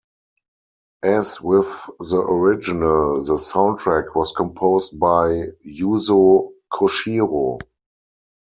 As with the original, the soundtrack was composed by Yuzo Koshiro.